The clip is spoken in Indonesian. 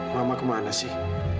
mama kemana sih